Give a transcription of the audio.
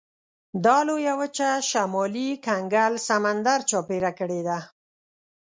دا لویه وچه شمالي کنګل سمندر چاپېره کړې ده.